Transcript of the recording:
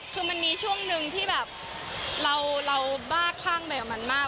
คือมันมีช่วงหนึ่งที่แบบเราบ้าคลั่งไปกับมันมาก